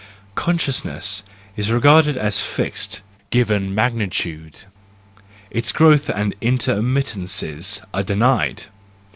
Consciousness is regarded as a fixed, given magnitude! Its growth and intermit tences are denied